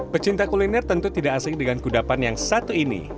pecinta kuliner tentu tidak asing dengan kudapan yang satu ini